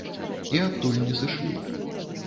І адтуль не сышлі.